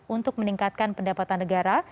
untuk meningkatkan pendapatan negara